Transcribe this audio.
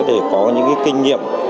để có những cái kinh nghiệm